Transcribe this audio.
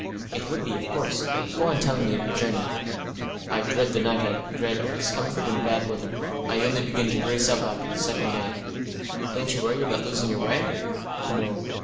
"It would be, of course. Go on telling me of your journey." "I dread the night. I dread discomfort and bad weather. I only begin to brace up after the second day." "Don't you worry about losing your way?" "No.